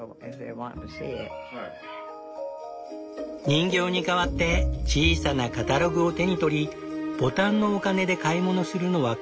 人形に代わって小さなカタログを手に取りボタンのお金で買い物するのは子どもたち。